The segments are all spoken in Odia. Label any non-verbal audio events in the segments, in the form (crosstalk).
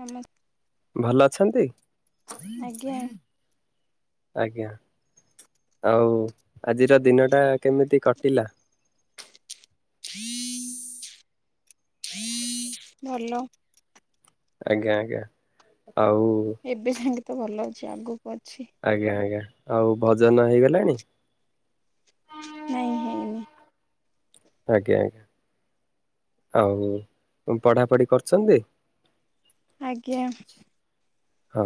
ନମସ୍ ଭଲ ଅଛନ୍ତି? ଆଜ୍ଞା ଆଜ୍ଞା ଆଉ ଆଜିର ଦିନଟା କେମିତି କଟିଲା? ଭଲ। ଆଜ୍ଞା ଆଜ୍ଞା ଆଉ ତେ ଭଲ ଅଛି ଆଗକୁ ଅଛି। ଆଜ୍ଞା ଆଜ୍ଞା ଆଉ ଭୋଜନ ହେଇଗଲାଣି? ନାଇଁ ହେଇନି। ଆଜ୍ଞା ଆଜ୍ଞା। ଆଉ ପଢାପଢି କରୁଛନ୍ତି? ଆଜ୍ଞା। ହଁ।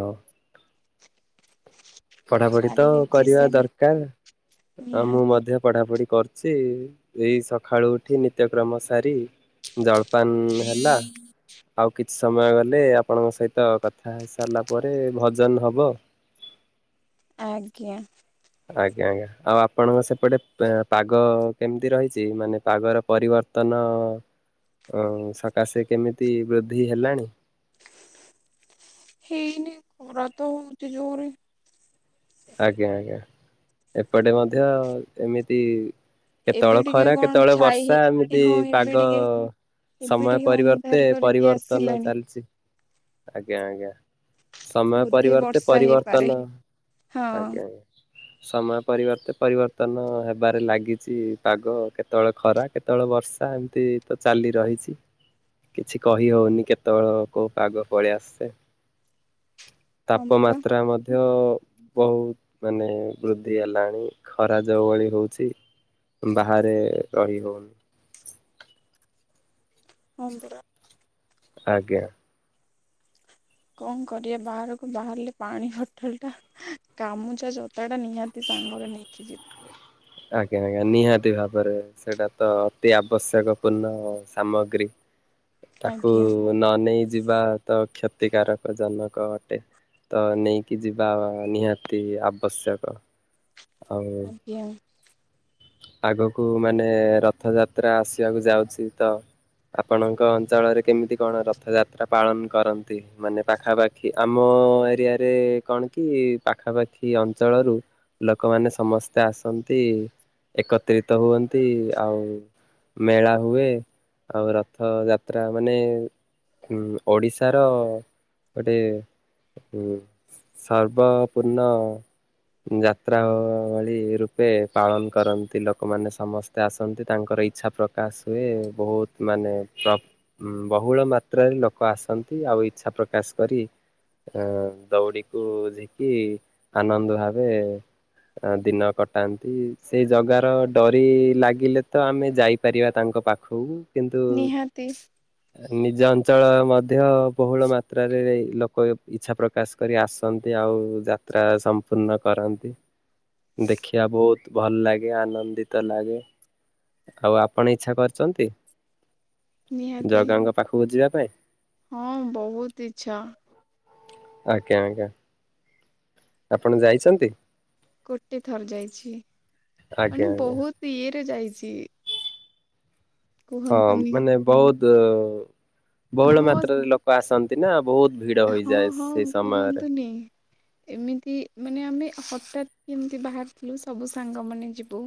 ପଢାପଢି ତ ଚାଲିଛି କରିବା ସେମ ଦରକାର ଆଉ ମୁଁ ନିହାତି ମଧ୍ୟ ପଢା ପଢି କରୁ ଚି ଏଇ ସକାଳୁ ଉଠି ନିତ୍ୟକ୍ରମ ସାରି ଜଳ ହେ ହେଲା ଆଉ କିଛି କି ସମୟ ଗଲେ ଆପଣଙ୍କ ସହିତ କଥା ସାରିଲା ପରେ ଭଜନ ହବ। ଆଜ୍ଞା। ଆଜ୍ଞା ଆଜ୍ଞା ଆଉ ଆପଣଙ୍କ ସେପଟେ ପାଗ କେମିତି ରହିଛି। ମାନେ ପାଗର ପରିବର୍ତ୍ତନ। ନ ସକାଶେ କେମିତି ବୃଦ୍ଧି ହେଲାଣି। ହେଇନି ଖରା ତ ହଉଛି ଜୋରରେ। ଆଜ୍ଞା ଆଜ୍ଞା ଏପଟେ ମଧ୍ୟ ଏମିତି ଏବେ କେତେବେଳେ ଟିକେ ଖରା କଣ କେତେବେଳେ ଛାଇ ବର୍ଷା ହେଇ ଏମିତି ହଁ ଏବେ ପାଗ ଟିକେ ଏବେ ସମୟ ଟିକେ ପରିବର୍ତ୍ତେ ଅନ୍ଧାର କରିକି ପରିବର୍ତ୍ତନ ଆସିଲାଣି ଚାଲିଛି ଆଜ୍ଞା ଆଜ୍ଞା। ସମୟ ବୋଧେ ପରିବର୍ତେ ବର୍ଷା ହେଇପାରେ। ପରିବର୍ତ୍ତନ ହଁ ଆଜ୍ଞା ଆଜ୍ଞା। ସମୟ ପରିବର୍ତ୍ତେ ପରିବର୍ତନ ହେବାରେ ଲାଗିଛି ପାଗ କେତେବେଳେ ଖରା କେତେବେଳେ ବର୍ଷା ଏମିତି ତ ଚାଲି ରହିଛି। କିଛି କହି ହଉନି କେତେବେଳ କୋଉଁ ପାଗ ପଳେଇ ଆସେ। ହଁ ପରା ତାପମାତ୍ରା ମଧ୍ୟ ବହୁତ ମାନେ ବୃଦ୍ଧି ହେଲାଣି ଖରା ଯୋଉଁ ଭଳି ହେଉଛି। ବାହାରେ ରହି ହଉନି। (inaudible) ହଁ ପରା। ଆଜ୍ଞା। କଣ କରିବା ବାହାରକୁ ବାହାରିଲେ ପାଣି ବୋଟଲ ଟା ଗାମୁଚା ଜୋତା ଟା ନିହାତି ସାଙ୍ଗରେ ନେଇକି ଯିବ। ଆଜ୍ଞା ଆଜ୍ଞା ନିହାତି ଭାବରେ ସେଇଟା ତ ଅତି ଆବଶ୍ୟକ ପୂର୍ଣ ସାମଗ୍ରୀ। ତାକୁ ଆଜ୍ଞା ନ ନେଇ ଯିବା ତ କ୍ଷତିକାରକ ଜନକ ଅଟେ। ତ ନେଇକି ଯିବା ନିହାତି ଆବଶ୍ୟକ। ଆଉ ଆଜ୍ଞା। ଆଗକୁ ମାନେ ରଥଯାତ୍ରା ଆସିବାକୁ ଯାଉଛି ତ ଆପଣଙ୍କ ଅଞ୍ଚଳରେ କେମିତି କଣ ରଥଯାତ୍ରା ପାଳନ କରନ୍ତି। ମାନେ ପାଖାପାଖି ଆମ ଆମ ଏରିଆ ରେ କଣ କି ପାଖାପାଖି ଅଞ୍ଚଳରୁ ଲୋକମାନେ ସମସ୍ତେ ଆସନ୍ତି ଏକତ୍ରିତ ହୁଅନ୍ତି ଆଉ ମେଳା ହୁଏ ଆଉ ରଥ ଯାତ୍ରା ମାନେ ଓଡ଼ିଶାର ଗୋଟେ ହୁଁ ସର୍ବା ପୂର୍ଣ ଯାତ୍ରା ଭଳି ରୂପେ ପାଳନ କରନ୍ତି। ଲୋକମାନେ ସମସ୍ତେ ଆସନ୍ତି। ତାଙ୍କର ଇଚ୍ଛା ପ୍ରକାଶ ହୁଏ ବହୁତ ମାନେ ବହୁଳ ମାତ୍ରାରେ ଲୋକ ଆସନ୍ତି। ଆଉ ଇଛା ପ୍ରକାଶ କରି ଅ ଦଉଡି କୁ ଝିକି ଆନନ୍ଦ ଭାବେ ଦିନ କଟାନ୍ତି ସେଇ ଜଗାର ଡରି ଲାଗିଲେ ତ ଆମେ ଯାଇପାରିବା ତାଙ୍କ ପାଖକୁ କିନ୍ତୁ ନିହାତି। ନିଜ ଅଞ୍ଚଳ ମଧ୍ୟ ବହୁଳ ମାତ୍ରାରେ ଲୋକ ଇଚ୍ଛା ପ୍ରକାଶ କରି ଆସନ୍ତି ଆଉ ଯାତ୍ରା ସମ୍ପୂର୍ଣ୍ଣ କରନ୍ତି, ଦେଖିବା ବହୁତ ଭଲ ଲାଗେ ଆନନ୍ଦିତ ଲାଗେ ଆଉ ଆପଣ ଇଚ୍ଛା କରିଛନ୍ତି? ନିହାତି ଜଗା ଙ୍କ ପାଖକୁ ଯିବା ପାଇଁ? ହଁ ବହୁତ ଇଚ୍ଛା। ଆଜ୍ଞା, ଆଜ୍ଞା, ଆପଣ ଯାଇଛନ୍ତି? ଗୋଟେ ଥର ଯାଇଛି, ଆଜ୍ଞା ମାନେ ଆଜ୍ଞା ବହୁତ ଇଏରେ ଯାଇଛି। ହଁ, କୁହନ୍ତୁନି ମାନେ ବହୁତ ବହୁଳ ହଁ ମାତ୍ରାରେ ଲୋକ ଆସନ୍ତି ନା, ବହୁତ ଭିଡ ହଁ, ହୋଇଯାଏ ହଁ, ସେଇ ସମୟରେ କୁହନ୍ତୁନି ଏମିତି ମାନେ ଆମେ ହଠାତ୍ କେମିତି ବାହାରିଥିଲୁ, ସବୁ ସାଙ୍ଗ ମାନେ ଯିବୁ।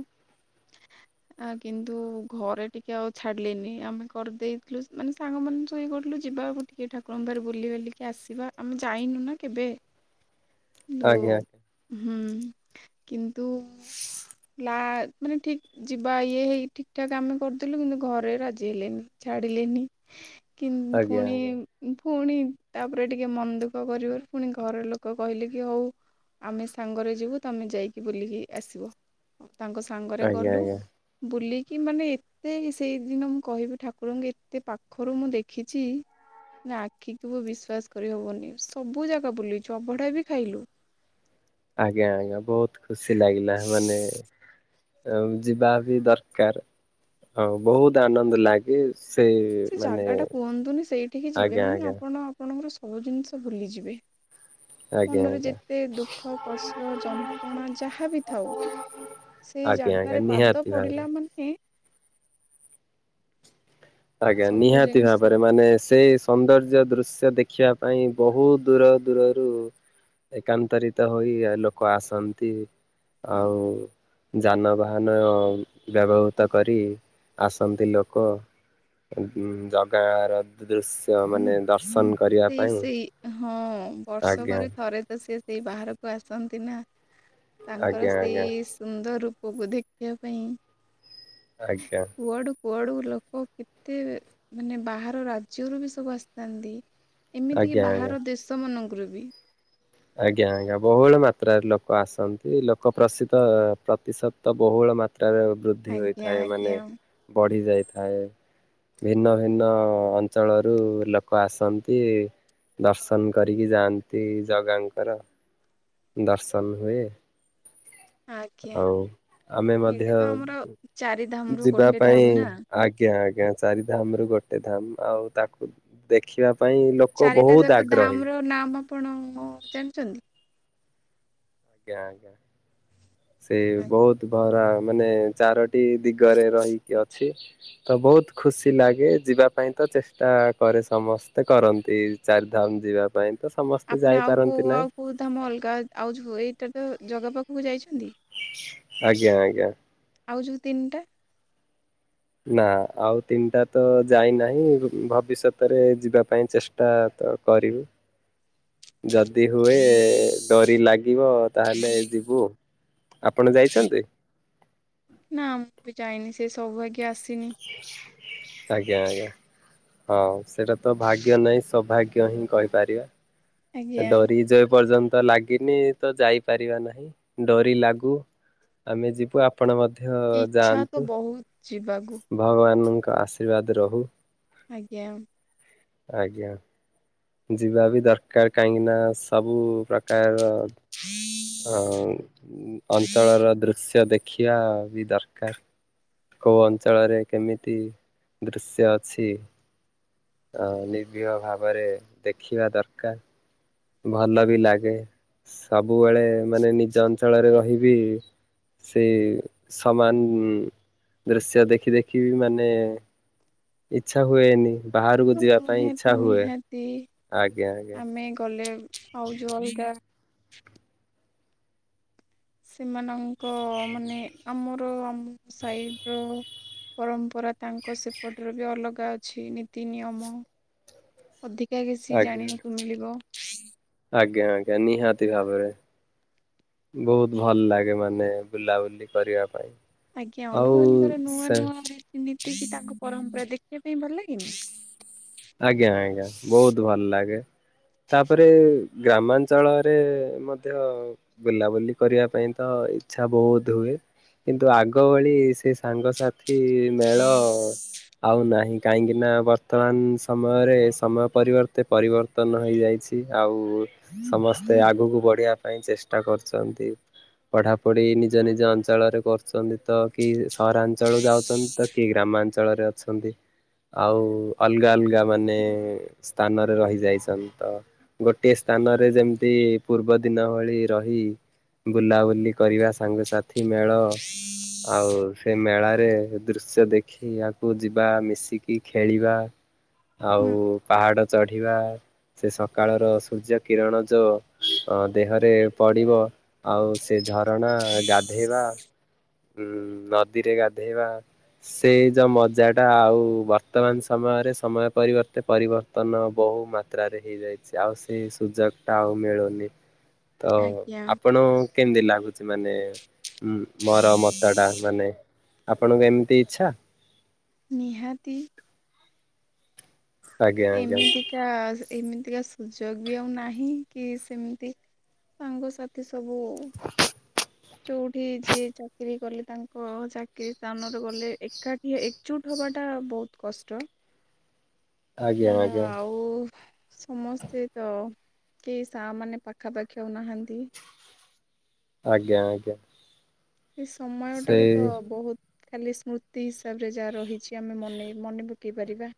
ଆ କିନ୍ତୁ ଘରେ ଟିକେ ଆଉ ଛାଡିଲେନି, ଆମେ କରିଦେଇଥିଲୁ ମାନେ ସାଙ୍ଗ ମାନ ସବୁ ଇଏ କରିଥିଲୁ ଯି ବାକୁ ଟିକେ ଠାକୁରଙ୍କ ପାଖରେ ବୁଲିବାଲି ଆସିବା, ଆମେ ଯାଇନୁ ନା କେବେ, ନ୍ତୁ ଆଜ୍ଞା ହୁଁ। (inaudible) କିନ୍ତୁ ଲା ମାନେ ଠିକ ଯିବା ଇଏ ହେଇ ଠିକ ଠାକ ଆମେ କରିଦେଲୁ, କିନ୍ତୁ ଘରେ ରାଜି ହେଲେନି, ଛାଡ଼ିଲେନି କି ଆଜ୍ଞା ପୁଣି ଆଜ୍ଞା ପୁଣି ତାପରେ ଟିକେ ମନ ଦୁଃଖ କରିବାରୁ, ପୁଣି ଘର ଲୋକ କହିଲେ କି ହଉ ଆମେ ସାଙ୍ଗରେ ଯିବୁ, ତମେ ଯାଇକି ବୁଲିକି ଆସିବ। ତାଙ୍କ ସାଙ୍ଗରେ ଆଜ୍ଞା ଗଲୁ, ଆଜ୍ଞା ବୁଲିକି କି ମାନେ ଏତେ ସେଇଦିନ ମୁଁ କହିବି ଠାକୁରଙ୍କୁ ଏତେ ପାଖରୁ ମୁଁ ଦେଖିଛି। ନା ଆଖି କୁ ବି ବିଶ୍ୱ ବିଶ୍ୱାସ କରିହବନି, ସବୁ ଜାଗା ବୁଲିଛୁ, ଅବଢା ବି ଖାଇଲୁ। ଆଜ୍ଞା, ଆଜ୍ଞା, ବହୁତ ଖୁସି ଲାଗିଲା, ମାନେ ଆ ଯିବା ବି ଦରକାର, ହଁ ବହୁତ ଆନନ୍ଦ ଲାଗେ। ସେ ସେ ମାନେ ଜାଗା ଟା କୁହନ୍ତୁନି, ସେଇଠିକି ଯିବେ ଆଜ୍ଞା ମାନେ ଆଜ୍ଞା ଆପଣ ଆପଣଙ୍କର ସବୁ ଜିନିଷ ଭୁଲିଯିବେ। ଆଜ୍ଞା ଆଜ୍ଞା ମନରେ ଯେତେ ଦୁଃଖ, କଷ୍ଟ, ଯନ୍ତ୍ରଣା ଯାହା ବିି ଥାଉ। ସେଇ ଆଜ୍ଞା ଆଜ୍ଞା ଜାଗାରେ ପାଦ ନିହାତି ଭାବରେ ପଡିଲା ମାନେ ଆଜ୍ଞା, ସବୁ ନିହାତି ଜିନିଷ ଭାବରେ ମାନେ ସେଇ ସୌନ୍ଦର୍ଯ୍ୟ ଦୃଶ୍ୟ ଦେଖିବା ପାଇଁ ବହୁତ ଦୂର ଦୂରରୁ ଏକାନ୍ତରିତ ହୋଇ ଲୋକ ଆସନ୍ତି, ଆଉ ଯାନବାହାନ ବ୍ୟବହୃତ କରି ଆସନ୍ତି ଲୋକ। ଜଗା ର ଦୃଶ୍ୟ ମାନେ ଦର୍ଶନ କରିବା ସେଇ, ପାଇଁ ସେଇ ହଁ ବର୍ଷ ଆଜ୍ଞା ପରେ ଥରେ ତ ସେ ସେଇ ବାହାରକୁ ଆସନ୍ତି ନା, ତାଙ୍କର ଆଜ୍ଞା ଆଜ୍ଞା ସେଇ ସୁନ୍ଦର ରୂପ କୁ ଦେଖିବା ପାଇଁ ଆଜ୍ଞା। କୁଆଡ଼ୁ ଲୋକ କେତେ ମାନେ ବାହାର ରାଜ୍ୟରୁ ବି ସବୁ ଆସିଥାନ୍ତି। ଏମିତିକି ଆଜ୍ଞା ଆଜ୍ଞା ବାହାର ଦେଶ ମାନଙ୍କରୁ ବି ଆଜ୍ଞା, ଆଜ୍ଞା, ବହୁଳ ମାତ୍ରାରେ ଲୋକ ଆସନ୍ତି, ଲୋକ ପ୍ରସିଦ୍ଧ ପ୍ରତିଶତ ତ ବହୁଳ ମାତା ତ୍ରାର ବୃଦ୍ଧି ଆଜ୍ଞା ହୋଇଥାଏ, ମାନେ ଆଜ୍ଞା ବଢି ଯାଇଥାଏ। ଭିନ୍ନ ଭିନ୍ନ ଅଞ୍ଚଳରୁ ଲୋକ ଆସନ୍ତି। ଦର୍ଶନ କରିକି ଯାଆନ୍ତି ଜଗାଙ୍କର, ଦର୍ଶନ ହୁଏ। ଆଜ୍ଞା। ଆଉ ଆମେ ମଧ୍ୟ ଏଇଟା ତ ଆମର ଚାରି ଧାମ ରୁ ଯିବା ଗୋଟେ ଧାମ ପାଇଁ- ନା ଆଜ୍ଞା, ଆଜ୍ଞା, ଚାରିଧାମ ରୁ ଗୋଟେ ଗୋଟେ ଧାମ ଆଉ ତାକୁ ଦେଖିବା ପାଇଁ ଲୋକ ଚାରିଟା ବହୁତ ଯାକ ଆଗ୍ରହୀ ଧାମ ର ନାମ ଆପଣ ଜାଣିଛନ୍ତି? ଆଜ୍ଞା, ଆଜ୍ଞା, ସେ ବହୁତ ଭରା ମାନେ ଚାରଟି ଇ ଦିଗରେ ରହିକି ଅଛି। ତ ବହୁତ ଖୁସି ଲାଗେ। ଯିବା ପାଇଁ ତ ଚେଷ୍ଟା କରେ ସମସ୍ତେ କରନ୍ତି ଚାରି ଧାମ ଧାମ ଯିବା ପାଇଁ। ତ ସମସ୍ତେ ଆପଣ ଆଉ ଯାଇପାରନ୍ତି କୋଉ ନାହିଁ ଆଉ କୋଉ ଧାମ ଅଲଗା ଆଉ ଯୋଉ ଟାକୁ ଜଗା ପାଖକୁ ଯାଇଛନ୍ତି? ଆଜ୍ଞା ଆଜ୍ଞା। ଆଉ ଯୋଉ ତିନଟା ନା ଆଉ ତିନଟା ତ ଯାଇନାହିଁ। ଭବିଷ୍ୟତରେ ଯିବା ପାଇଁ ଚେଷ୍ଟା ତ କହିବି। ଯଦି ହୁଏ ଡୋରି ଲାଗିବ ତାହେଲେ ଯିବୁ। ଆପଣ ଯାଇଛନ୍ତି? ନା ମୁଁ ବି ଯା ସେ ସୌଭାଗ୍ୟ ଆସିନି। ଆଜ୍ଞା ଆଜ୍ଞା ହଁ ସେଇଟା ତ ଭାଗ୍ୟ ନାହିଁ ସୌଭାଗ୍ୟ ହିଁ କହିପାରିବା। ଆଜ୍ଞା। ଡୋରି ଯେ ପର୍ଯ୍ୟନ୍ତ ତ ଲାଗିନି ତ ଯାଇପାରିବା ନାହିଁ ଡୋରି ଲାଗୁ ଆମେ ଯିବୁ ଆପଣ ମଧ୍ୟ ଇଚ୍ଛା ତ ଯାଆନ୍ତୁ ବହୁତ ଯିବାକୁ ଭଗବାନଙ୍କ ଆଶୀର୍ବାଦ ରୋହୁ। ଆଜ୍ଞା। ଆଜ୍ଞା। ଯିବା ବି ଦରକାର କାହିଁକି ନା ସବୁ ପ୍ରକାରର ଅ ଅଞ୍ଚଳର ଦୃଶ୍ୟ ଦେଖିଆ ବି ଦରକାର। କୋଉ ଅଞ୍ଚଳରେ କେମିତି ଦୃଶ୍ୟ ଅଛି। ଅ ନିର୍ବିହ ଭାବରେ ଦେଖିବା ଦରକାର। ଭଲ ବି ଲାଗେ ସବୁବେଳେ ମାନେ ନିଜ ଅଞ୍ଚଳରେ ରହି ବି ସେ ସମାନ ଦୃଶ୍ୟ ଦେଖି ଦେଖି ମାନେ ଇଛା ହୁଏନି। ବାହାରକୁ ଯିବା ପାଇଁ ଇଚ୍ଛା ନିହାତି ହୁଏ ନିହାତି ଆଜ୍ଞା ଆଜ୍ଞା ଆମେ ଗଲେ ଆଉ ଯୋଉ ଅଲଗା ସେମାନଙ୍କ ମାନେ ଆମର ଆମ ସାଇଟ୍ ର ପରମ୍ପରା ତାଙ୍କ ସେପଟରେ ବି ଅଲଗା ଅଛି ନୀତି ନିୟମ। ଅଧିକା କିଛି ଆଜ୍ଞା। ଜାଣିବାକୁ (inaudible) ମିଳିବ। ଆଜ୍ଞା ଆଜ୍ଞା ନିହାତି ଭାବରେ। ବୋହୁତ ଭଲ ଲାଗେ ମାନେ ବୁଲାବୁଲି କରିବା ପାଇଁ। ଆଜ୍ଞା ଆଉ ଅଲଗା ଅଲଗା ର ନୂଆ ସେ ନୂଆ ମାନେ ପିନ୍ଧି (inaudible) ଏତିକି ତାଙ୍କ ପରମ୍ପରା ଦେଖିବା ପାଇଁ ଭଲ ଲାଗେନି (inaudible) ଆଜ୍ଞା ଆଜ୍ଞା ବହୁତ ଭଲ ଲାଗେ। ତାପରେ ଗ୍ରାମାଞ୍ଚଳରେ ମଧ୍ୟ ବୁଲାବୁଲି କରିବା ପାଇଁ ତ ଇଛା ବହୁତ ହୁଏ। କିନ୍ତୁ ଆଗ ଭଳି ସେ ସାଙ୍ଗସାଥି ମେଳ ଆଉ ନାହିଁ କାହିଁକି ନା ବର୍ତ୍ତମାନ ସମୟରେ ସମୟ ପରିବର୍ତ୍ତେ ପରିବର୍ତ୍ତନ ହେଇଯାଇଛି ଆଉ (inaudible) ସମସ୍ତେ ଆଗକୁ ପଢିବା ପାଇଁ ଚେଷ୍ଟା କରୁଚନ୍ତି। ପଢାପଢି ନିଜ ନିଜ ଅଞ୍ଚଳରେ କରୁଚନ୍ତି ତ କି ସହରାଞ୍ଚଳ ଯାଉଚନ୍ତି ତ କିଏ ଗ୍ରାମ ଗ୍ରାମାଞ୍ଚଳରେ ଅଛନ୍ତି ଆଉ ଅଲଗା ଅଲଗା ମାନେ ସ୍ଥାନରେ ରହି ଯାଇଛନ୍ତି ତ ଗୋଟିଏ ସ୍ଥାନରେ ଯେମିତି ପୂର୍ବ ଦି ଦିନ ଭଳି ରହି ବୁଲାବୁଲି କରିବା ସାଙ୍ଗସାଥି ମେଳ ଆଉ ସେ ମେଳା ରେ ଦୃଶ୍ୟ ଦେଖି ଆକୁ ଯିବା ମିଶିକି ଖେଳିବା ହୁଁ, ଆଉ ପାହାଡ ଚଢ଼ିବା ସେ ସକାଳର ସୂର୍ଯ୍ୟ କିରଣ ଯେଉଁ ଦେହରେ ପଡ଼ିବ। ଆଉ ସେ ଝରଣା ଗାଧେଇବା ହୁଁ ନଦୀରେ ଗାଧେଇବା ସେ ଯୋଉଁ ମଜା ଟା ଆଉ ବର୍ତ୍ତମାନ ସମୟରେ ସମୟ ପରିବର୍ତ୍ତେ ପରିବର୍ତ୍ତନ ବହୁତ ବୋହୁ ମାତ୍ରାରେ ହେଇଯାଇଛି। ଆଉ ସେଇ ସୁଯୋଗ ଟା ଆଉ ମିଳୁନି। ତ ଆଜ୍ଞା ଆପଣ କେମିତି ଲାଗୁଛି ମାନେ ମୋର ମତଟା ମାନେ ଆପଣଙ୍କୁ ଏମିତି ଇଚ୍ଛା ନିହାତି ଆଜ୍ଞା ଆଜ୍ଞା ଏମିତିକା ଏମିତିକା ସୁଯୋଗ ବି ଆଉ ନାହିଁ କି ସେମିତି ସାଙ୍ଗ ସାଥି ସବୁ ଯେଉଁଠି ଯିଏ ଚାକିରି କଲେ। ତାଙ୍କ ଚାକିରି ସ୍ଥାନରେ ଗଲେ। ଏକାଠି ଏକଚଜୁଟ ହବ। ହବଟା ବହୁତ କଷ୍ଟ। ଆଜ୍ଞା ଆଜ୍ଞା ଆଁ। ଆଉ ସମସ୍ତେ ତ କେହି ସାଙ୍ଗ ମାନେ ପାଖା ପାଖି ଆଉ ନାହାନ୍ତି। ଆଜ୍ଞା ଆଜ୍ଞା ଆଁ। ଏଇ ସମୟ ଟାକୁ ତ ବହୁତ ଖାଲି ସ୍ମୃତି ହିସାବରେ ଯାହା ରହିଛି। ଆମେ ମନ ମନେପକେଇବୁ। ପକେଇ ପାରିବା।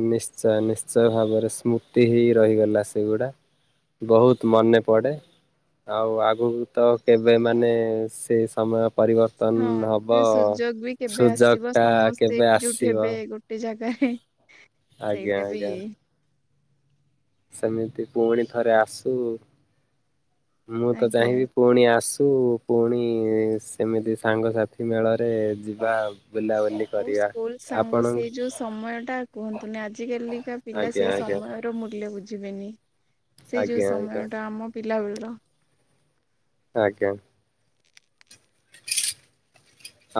ଓନିଶ୍ଚୟ ନିଶ୍ଚୟ ଭାବରେ ସ୍ମୃତି ହେଇ ରହିଗଲା। ସେଗୁଡା ବହୁତ ମନେ ପଡ଼େ। ଆଉ ଆଗକୁ ତ କେବେ ମାନେ ସେଇ ସମୟ ହଁ ପରିବର୍ତ୍ତନ ସେ ହବ ସୁଯୋଗ ବି କେବେ ସେ ସୁଯୋଗ ଆସିବ ଟା କେବେ ଆସିବ। ଏହେଁ ଆଜ୍ଞା ସେଇଟା ବି ଆଜ୍ଞା। ସେମିତି ପୁଣି ଥରେ ଆସୁ ମୁଁ ତ ଆଜ୍ଞା। ଚାହିଁବି ପୁଣି ଆସୁ ପୁଣି ସେମିତି ସାଙ୍ଗସାଥି ମେଳରେ ଯିବା। ବୁଲାବୁଲି ମୋ କରିବା ସ୍କୁଲ ସାଙ୍ଗ ଆପଣ ସେଇ ଯେଉଁ ସମୟ ଟା କୁହନ୍ତୁନି। ଆଜି କାଲି କା ପିଲା ଆଜ୍ଞା ସେଇ ଆଜ୍ଞା ସମୟର ମୁଲ୍ୟ ବୁଝିବେନି। ସେଇ ଯେଉଁ ଆଜ୍ଞା ଆଜ୍ଞା ସମୟଟା ଆମ ପିଲା ବେଳର ଆଜ୍ଞା ଆଁ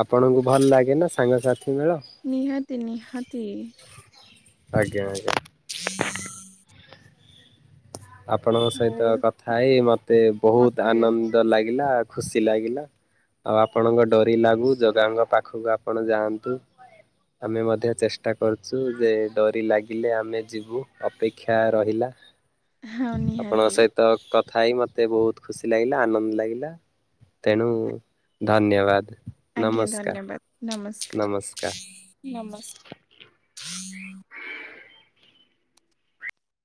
ଆପଣଙ୍କୁ ଭଲ ଲାଗେନା ସାଙ୍ଗସାଥି ମେଳ ନିହାତି ନିହାତି ଇ ଆଜ୍ଞା ଆଜ୍ଞା ଆଁ। ପିଂ ପିଂ ଆପଣଙ୍କ ସହିତ କଥା ହେଇ ମତେ ବହୁତ ମତେ ବି ଆନନ୍ଦ ଲାଗିଲା। ଆଉ ଖୁସି ଲାଗିଲା। ଆଉ ଆପଣଙ୍କ ଡୋରି ଲାଗୁ ଜଗାଙ୍କ ପାଖକୁ ଆପଣ ଯାଆନ୍ତୁ। ଆମେ ମଧ୍ୟ ଚେଷ୍ଟା କରୁଛୁ। ଯେ ଡୋରି ଲାଗିଲେ ଆମେ ଯିବୁ ଅପେକ୍ଷା ରହିଲା। ହଁ ଆପଣଙ୍କ ନିହାତି ସହିତ କଥ ଥାଇ ମୋତେ ବହୁତ ଖୁସି ଲାଗିଲା। ଆନନ୍ଦ ଲାଗିଲା। ତେଣୁ ଧନ୍ୟବାଦ! ଆଜ୍ଞା ନମସ୍କାର ଧନ୍ୟବାଦ ନମସ୍ତେ। ନମସ୍କାର।